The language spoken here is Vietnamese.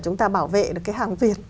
chúng ta bảo vệ được cái hàng việt